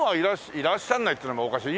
「いらっしゃらない」っていうのもおかしい。